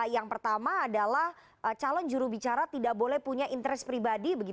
yang pertama adalah calon jurubicara tidak boleh punya interest pribadi